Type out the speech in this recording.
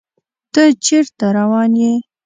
ته چیرته روان یې؟